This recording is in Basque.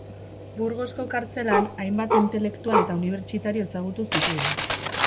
Burgosko kartzelan hainbat intelektual eta unibertsitario ezagutu zituen.